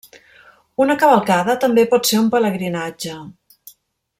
Una cavalcada també pot ser un pelegrinatge.